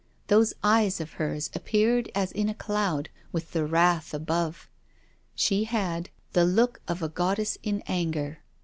Those eyes of hers appeared as in a cloud, with the wrath above: she had: the look of a Goddess in anger.